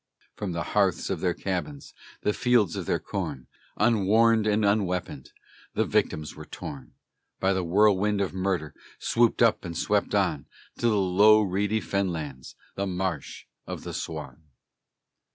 From the hearths of their cabins, The fields of their corn, Unwarned and unweaponed, The victims were torn, By the whirlwind of murder Swooped up and swept on To the low, reedy fen lands, The Marsh of the Swan.